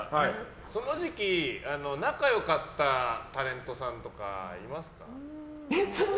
その時期、仲良かったタレントさんとかいますか？